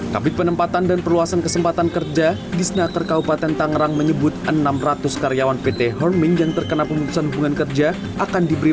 kabupaten tangerang menyebut enam ratus karyawan pt horming yang terkena pemutusan hubungan kerja akan diberi